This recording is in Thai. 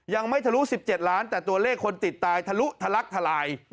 ยังไม่ทะลุ๑๗ล้านแต่ตัวเลขคนติดตายทะลุทะลักทลาย